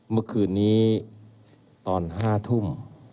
เมื่อคืนนี้ตอน๕ทุ่ม